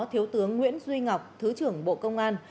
thiếu tướng nguyễn duy ngọc thứ trưởng bộ công an